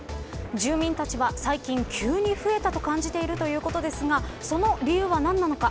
住民たちは最近、急に増えたと感じているということですがその理由は何なのか。